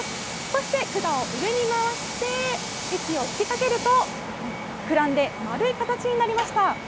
そして、管を上に回して、息を吹きかけると、膨らんで丸い形になりました。